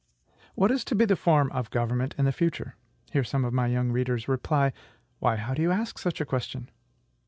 What is to be the form of government in the future? hear some of my younger readers reply: "Why, how can you ask such a question?